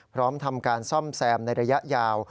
พร้อมทำการซ่อมแซมในระยะยาว